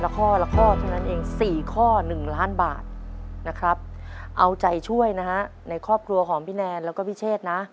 ก็๔ข้อ๑ล้านบาทนะครับเอาใจช่วยนะฮะในครอบครัวของพี่แนนและพี่เชษนะ